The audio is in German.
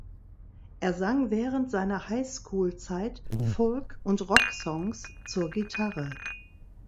Er sang während seiner Highschool-Zeit Folk- und Rocksongs zur Gitarre.